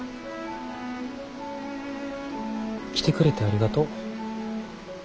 来てくれてありがとう。